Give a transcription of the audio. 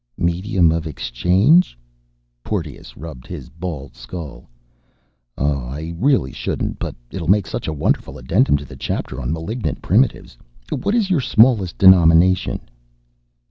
"Medium of exchange?" Porteous rubbed his bald skull. "Oh, I really shouldn't but it'll make such a wonderful addendum to the chapter on malignant primitives. What is your smallest denomination?"